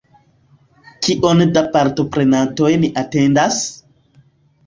Kion da partoprenantoj ni atendas?